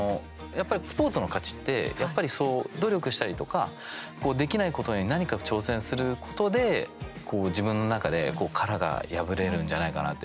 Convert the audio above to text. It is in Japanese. スポーツの価値ってやっぱり努力したりとかできないことに何か挑戦することで、自分の中で殻が破れるんじゃないかなって。